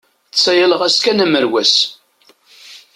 Ttsayaleɣ-as kan amerwas.